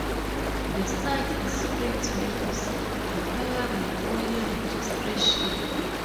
The site is free to use, requiring only registration.